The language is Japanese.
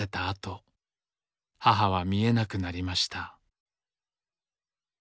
あと母は見えなくなりました。